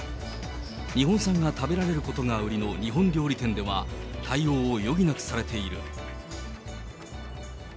日本産が食べられることが売りの日本料理店では、対応を余儀なくされている。